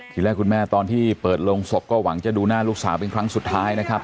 ทีแรกคุณแม่ตอนที่เปิดโรงศพก็หวังจะดูหน้าลูกสาวเป็นครั้งสุดท้ายนะครับ